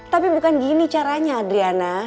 tapi bukan gini caranya adriana